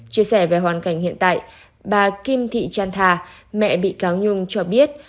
chia sẻ về hoàn cảnh hiện tại bà kim thị chan thà mẹ bị cáo nhung cho biết